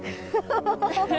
ハハハハ！